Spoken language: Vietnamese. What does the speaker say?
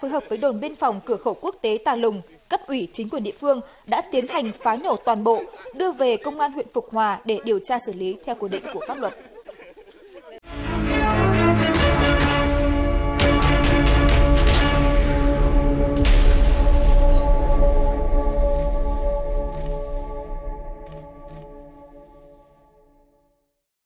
hãy đăng ký kênh để ủng hộ kênh của chúng mình nhé